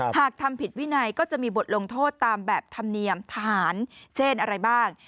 หากทำผิดวินัยก็จะมีบทลงโทษตามแบบธรรมเนียมทหารเช่นอะไรบ้าง